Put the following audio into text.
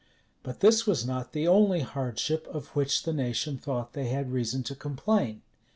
But this was not the only hardship of which the nation thought they had reason to complain.